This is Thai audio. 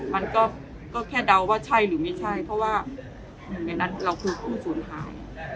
มันก็แค่เดาว่าใช่หรือไม่ใช่เพราะว่าหนึ่งในนั้นเราคือผู้สูญหาย